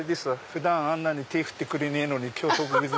普段あんなに手ぇ振ってくれねえのに今日特別で。